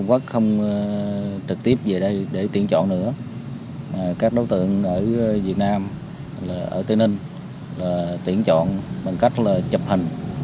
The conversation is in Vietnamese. nghĩa là những anh em ở tây ninh tiễn chọn bằng cách là chụp hình